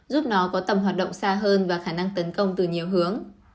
giúp nó có tầm hoạt động xa hơn và khả năng tấn công từ nhiều hướng